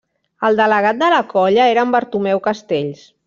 El delegat de la colla era en Bartomeu Castells.